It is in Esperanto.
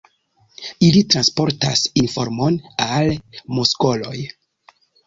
Ili transportas informon al muskoloj.